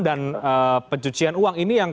dan pencucian uang ini yang